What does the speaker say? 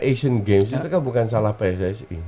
asian games itu kan bukan salah pssi